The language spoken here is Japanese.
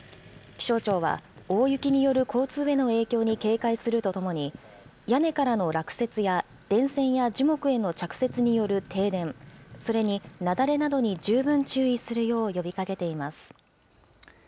気象庁は、大雪による交通への影響に警戒するとともに、屋根からの落雪や、電線や樹木への着雪による停電、それに雪崩などに十分注意するよう呼びかけています。